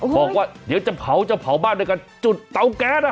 บอกว่าเดี๋ยวจะเผาจะเผาบ้านด้วยการจุดเตาแก๊ส